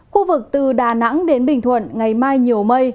khu vực từ đà nẵng đến bình thuận ngày mai nhiều mây